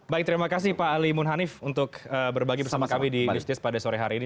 baik terima kasih pak ali munhanif untuk berbagi bersama kami di bisnis pada sore hari ini